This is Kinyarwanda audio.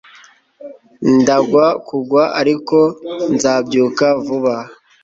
Ndagwa kugwa ariko nzabyuka vuba